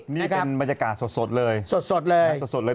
นี่เป็นบรรยากาศสดเลย